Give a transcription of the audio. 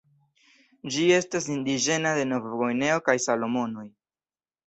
Ĝi estas indiĝena de Novgvineo kaj Salomonoj.